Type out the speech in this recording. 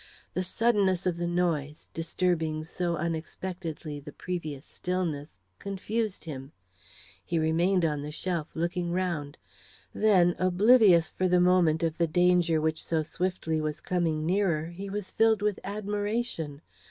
The suddenness of the noise, disturbing so unexpectedly the previous stillness, confused him. He remained on the shelf, looking round. Then, oblivious for the moment of the danger which so swiftly was coming nearer, he was filled with admiration.